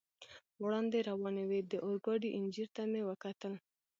وړاندې روانې وې، د اورګاډي انجنیر ته مې وکتل.